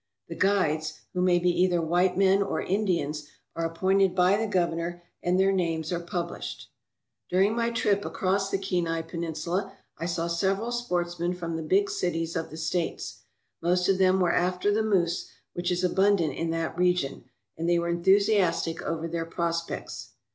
The guides, who may be either white men or Indians, are appointed by the Governor, and their names are published. During my trip across the Kenai Peninsula I saw several sportsmen from the big cities of the States. Most of them were after the moose, which is abundant in that region, and they were enthusiastic over their prospects.